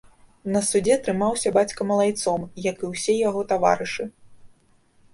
На судзе трымаўся бацька малайцом, як і ўсе яго таварышы.